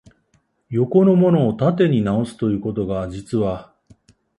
横のものを縦に直す、ということが、実は、